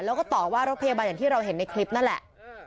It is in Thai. แล้วก็ต่อว่ารถพยาบาลอย่างที่เราเห็นในคลิปนั่นแหละ